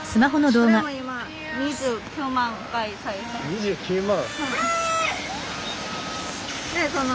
２９万？